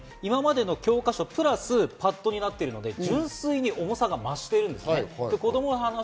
今までの教科書プラス、パッドになっているので、純粋に重さが増してるんです。